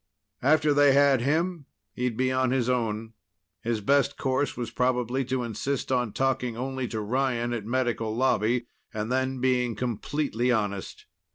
After they had him, he'd be on his own. His best course was probably to insist on talking only to Ryan at Medical Lobby, and then being completely honest.